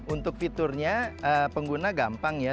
untuk fiturnya pengguna gampang ya